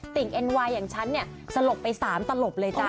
่งเอ็นไวน์อย่างฉันเนี่ยสลบไป๓ตลบเลยจ้ะ